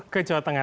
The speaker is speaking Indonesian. ke jawa tengah